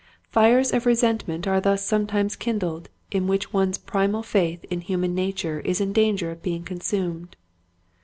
Fires of resentment are thus sometimes kindled in which one's primal faith in human nature is in danger of being consumed.